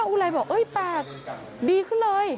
พระอุลัยบอกเอ๊ะป้าดีขึ้นเลย